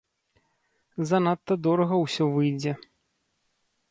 Занадта дорага ўсё выйдзе.